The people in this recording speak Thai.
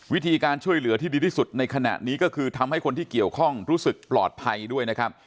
วิธีการช่วยเหลือที่ดีที่สุดในขณะนี้ก็คือทำให้คนที่เกี่ยวข้องรู้สึกปลอดภัยด้วยนะครับ